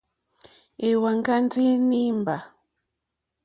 À wáŋɡà ndí nǐmbà.